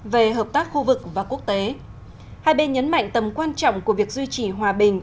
về hợp tác khu vực và quốc tế hai bên nhấn mạnh tầm quan trọng của việc duy trì hòa bình